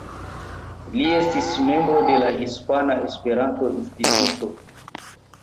Li estis membro de la Hispana Esperanto-Instituto.